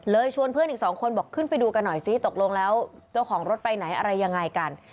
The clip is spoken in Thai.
ชวนเพื่อนอีกสองคนบอกขึ้นไปดูกันหน่อยซิตกลงแล้วเจ้าของรถไปไหนอะไรยังไงกัน